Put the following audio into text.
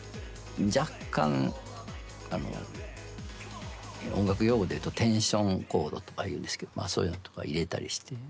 若干音楽用語で言うとテンションコードとか言うんですけどそういうのとか入れたりして。